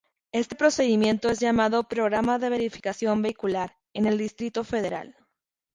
Este procedimiento es llamado Programa de verificación vehicular en el Distrito Federal.